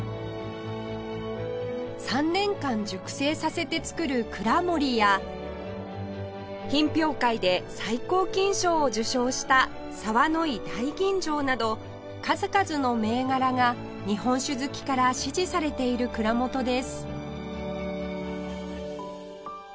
３年間熟成させて造る蔵守や品評会で最高金賞を受賞した澤乃井大吟醸など数々の銘柄が日本酒好きから支持されている蔵元です